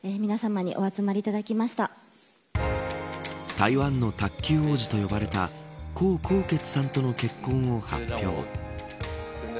台湾の卓球王子と呼ばれた江宏傑さんとの結婚を発表。